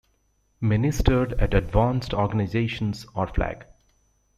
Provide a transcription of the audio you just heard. Ministered at Advanced Organizations or Flag.